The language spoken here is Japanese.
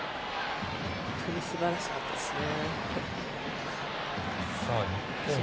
本当にすばらしいですね。